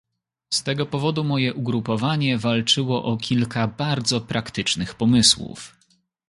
Z tego powodu moje ugrupowanie walczyło o kilka bardzo praktycznych pomysłów